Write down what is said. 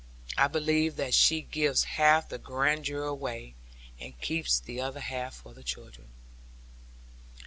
I believe that she gives half the grandeur away, and keeps the other half for the children.